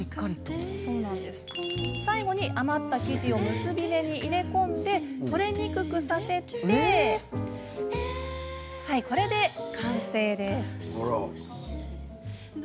最後に余った生地を結び目に入れ込んで取れにくくさせてこれで完成です。